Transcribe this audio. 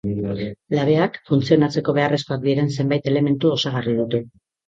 Labeak, funtzionatzeko beharrezkoak diren zenbait elementu osagarri ditu.